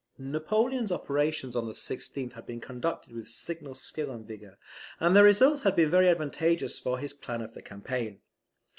] Napoleon's operations on the 16th had been conducted with signal skill and vigour; and their results had been very advantageous for his plan of the campaign.